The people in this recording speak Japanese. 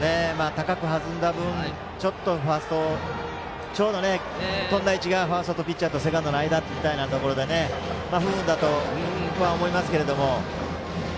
高く弾んだ分、ちょっとちょうど飛んだ位置がファーストとセカンドの間みたいな形で不運だと思いますけど。